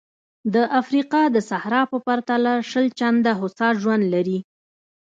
د افریقا د صحرا په پرتله شل چنده هوسا ژوند لري.